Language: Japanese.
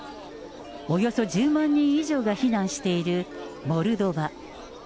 およそ１０万人以上が避難しているモルドバ。